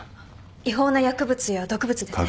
違法な薬物や毒物ですね。